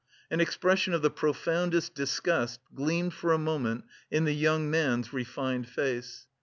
An expression of the profoundest disgust gleamed for a moment in the young man's refined face.